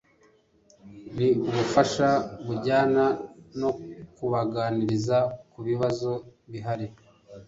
Ni ubufasha bujyana no kubaganiriza ku bibazo bihari